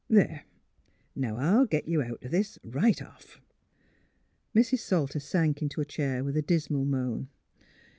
There ! now I'll git you out o' this, right off." Mrs. Salter sank into a chair with a dismal moan.